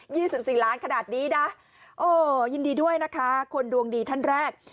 ี่สิบสี่ล้านขนาดนี้นะโอ้ยินดีด้วยนะคะคนดวงดีท่านแรก